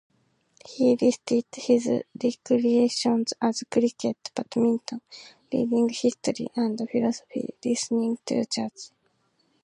He listed his recreations as "Cricket, badminton, reading history and philosophy, listening to jazz".